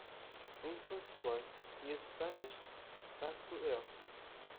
In consequence, he is banished back to Earth.